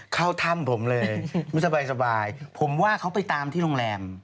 เข้าถ้ำผมเลยไม่สบายผมว่าเขาไปตามที่โรงแรม